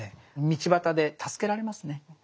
道端で助けられますね。